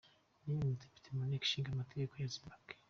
Ni umudepite mu nteko ishinga amategeko ya Zimbabwe.